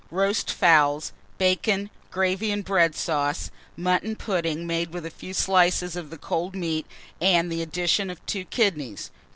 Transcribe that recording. Roast fowls, bacon, gravy, and bread sauce, mutton pudding, made with a few slices of the cold meat and the addition of two kidneys.